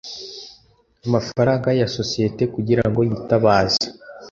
amafaranga ya sosiyete kugira ngo yitabaze